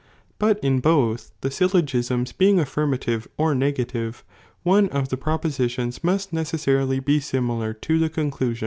But in both,* tbe ayllogiams ^n^'^^^^" faeing affirmative, or negative, one of the propo sitions must necessarily be similar to the conclu i.